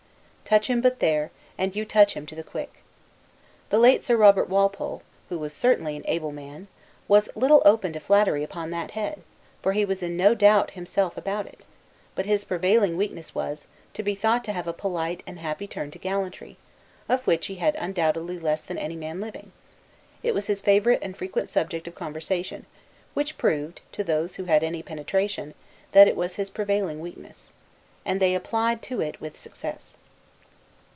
Touch him but there, and you touch him to the quick. The late Sir Robert Walpole (who was certainly an able man) was little open to flattery upon that head; for he was in no doubt himself about it; but his prevailing weakness was, to be thought to have a polite and happy turn to gallantry; of which he had undoubtedly less than any man living: it was his favorite and frequent subject of conversation: which proved, to those who had any penetration, that it was his prevailing weakness. And they applied to it with success.